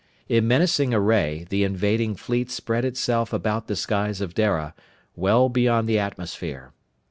In menacing array, the invading fleet spread itself about the skies of Dara, well beyond the atmosphere.